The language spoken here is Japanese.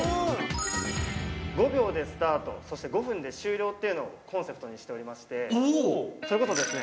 ５秒でスタートそして５分で終了っていうのをコンセプトにしておりましてそれこそですね